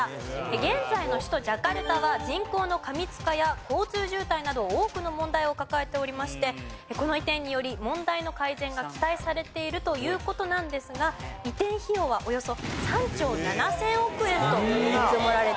現在の首都ジャカルタは人口の過密化や交通渋滞など多くの問題を抱えておりましてこの移転により問題の改善が期待されているという事なんですが移転費用はおよそ３兆７０００億円と見積もられているそうです。